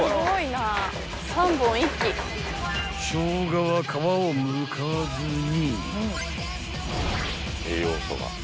［ショウガは皮をむかずに］